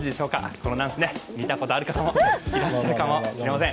このダンスね、見たことある方もいらっしゃるかもしれません。